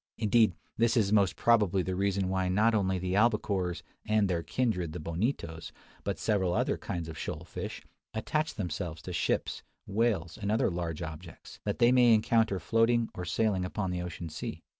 Indeed, this is most probably the reason why not only the albacores and their kindred the bonitos, but several other kinds of shoal fish, attach themselves to ships, whales, and other large objects, that they may encounter floating or sailing upon the open ocean.